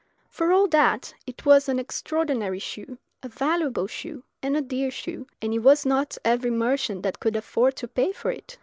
For all that, it was an extraordinary shoe, a valuable shoe, and a dear shoe, and it was not every merchant that could afford to pay for it.